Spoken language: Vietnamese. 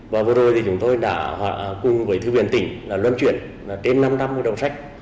và vừa rồi chúng tôi đã cùng với thư viện tỉnh lươn chuyển trên năm năm đầu sách